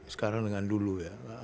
sekarang dengan dulu ya